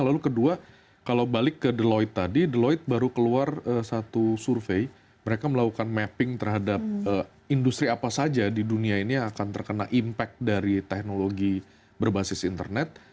lalu kedua kalau balik ke deloit tadi deloit baru keluar satu survei mereka melakukan mapping terhadap industri apa saja di dunia ini yang akan terkena impact dari teknologi berbasis internet